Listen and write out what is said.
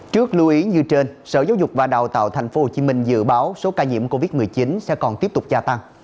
trước lưu ý như trên sở giáo dục và đào tạo tp hcm dự báo số ca nhiễm covid một mươi chín sẽ còn tiếp tục gia tăng